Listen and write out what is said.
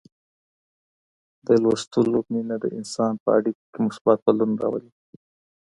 د لوستلو مینه د انسان په اړیکو کي مثبت بدلون راولي.